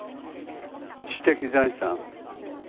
知的財産。